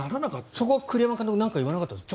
そこは栗山監督なんか言わなかったですか？